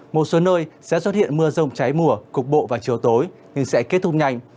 một số nơi sẽ xuất hiện mưa rông trái mùa cục bộ vào chiều tối nhưng sẽ kết thúc nhanh